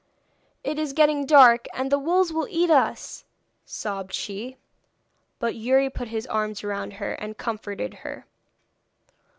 'It is getting dark, and the wolves will eat us,' sobbed she. But Youri put his arms round her and comforted her.